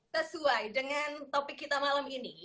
sesuai dengan topik kita malam ini